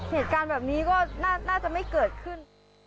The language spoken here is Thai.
เหตุการณ์แบบนี้ก็น่าจะไม่เกิดขึ้น